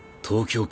東京！